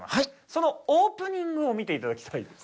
そのオープニングを見て頂きたいです。